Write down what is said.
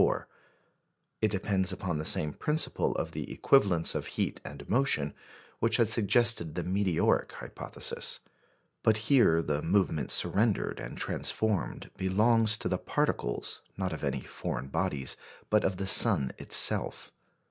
It depends upon the same principle of the equivalence of heat and motion which had suggested the meteoric hypothesis. But here the movement surrendered and transformed belongs to the particles, not of any foreign bodies, but of the sun itself.